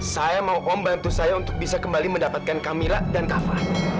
saya mau om bantu saya untuk bisa kembali mendapatkan kamila dan kava